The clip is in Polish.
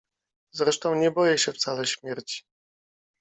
Zresztą nie boję się wcale śmierci.